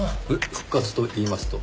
復活といいますと？